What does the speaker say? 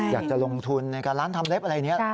อยากจะลงทุนกับร้านทำเล็บอะไรเนี่ย